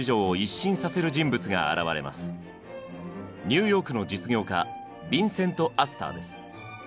ニューヨークの実業家ビンセント・アスターです。